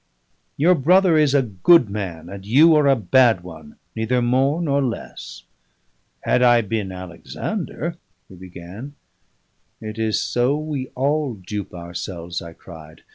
Your brother is a good man, and you are a bad one neither more nor less." "Had I been Alexander " he began. "It is so we all dupe ourselves," I cried.